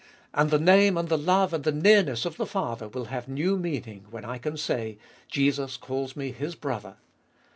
And the name and the love and the nearness of the Father will have new meaning when I can say, Jesus calls me His brother!